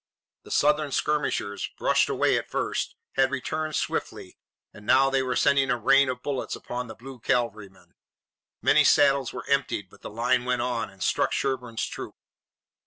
The Southern skirmishers, brushed away at first, had returned swiftly, and now they were sending a rain of bullets upon the blue cavalrymen. Many saddles were emptied, but the line went on, and struck Sherburne's troop.